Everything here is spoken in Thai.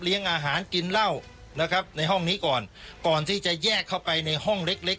อาหารกินเหล้านะครับในห้องนี้ก่อนก่อนที่จะแยกเข้าไปในห้องเล็กเล็ก